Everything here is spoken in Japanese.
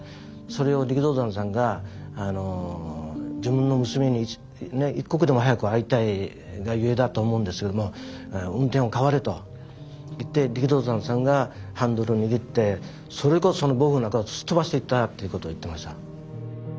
それを力道山さんが自分の娘に一刻でも早く会いたいがゆえだと思うんですけども運転を代われと言って力道山さんがハンドルを握ってそれこそその暴風雨の中をすっ飛ばしていったっていうことを言ってました。